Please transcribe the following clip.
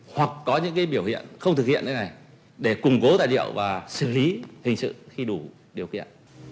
hoặc có những biểu hiện không thực hiện như thế này để củng cố tài liệu và xử lý hình sự khi đủ điều kiện